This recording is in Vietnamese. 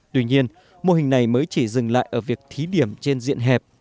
tuy nhiên mô hình này mới chỉ dừng lại ở việc thí điểm trên diện hẹp